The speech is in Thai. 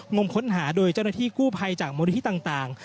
งมค้นหาโดยเจ้าหน้าที่กู้ภัยจากมูลนิธิต่าง